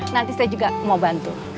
nanti saya juga mau bantu